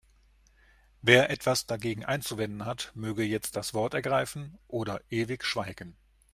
Wer etwas dagegen einzuwenden hat, möge jetzt das Wort ergreifen oder ewig schweigen.